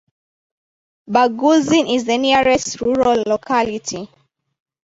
Barguzin is the nearest rural locality.